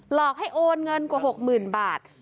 หลอกให้โอนเงินกว่า๖๐๐๐บาท